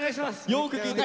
よく聴いて。